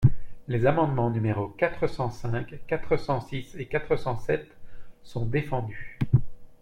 Les amendements numéros quatre cent cinq, quatre cent six et quatre cent sept sont défendus.